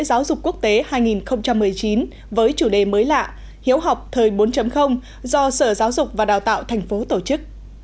giáo dục quốc tế hai nghìn một mươi chín với chủ đề mới lạ hiếu học thời bốn do sở giáo dục và đào tạo thành phố tổ chức